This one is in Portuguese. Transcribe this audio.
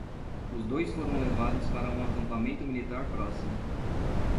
Os dois foram levados para um acampamento militar próximo.